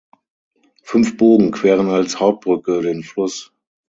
Fünf Bogen queren als Hauptbrücke den Fluss.